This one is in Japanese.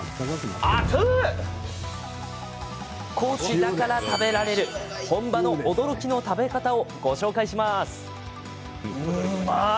高知だから食べられる本場の驚きの食べ方ご紹介します。